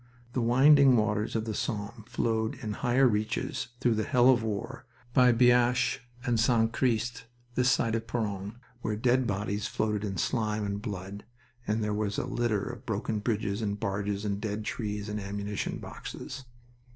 The winding waters of the Somme flowed in higher reaches through the hell of war by Biaches and St. Christ, this side of Peronne, where dead bodies floated in slime and blood, and there was a litter of broken bridges and barges, and dead trees, and ammunition boxes.